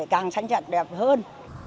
càng xanh sạch đẹp hơn